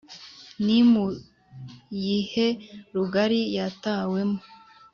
nimuyihe rugari yatawe mo